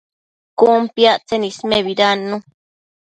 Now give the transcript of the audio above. Cun piactsen ismebidannu